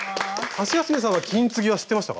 ハシヤスメさんは金継ぎは知ってましたか？